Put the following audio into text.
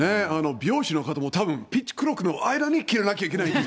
美容師の方も、たぶん、ピッチクロックの間に切らなきゃいけない。